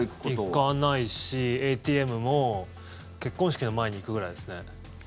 行かないし、ＡＴＭも結婚式の前に行くぐらいですね。